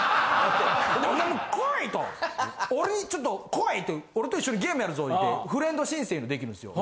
「お前もうこい！」と俺にちょっと「こい！」って俺と一緒にゲームやるぞ言うてフレンド申請いうのできるんですよ。